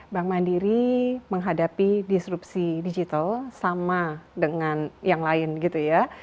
bank mandiri menghadapi disrupsi digital sama dengan yang lain gitu ya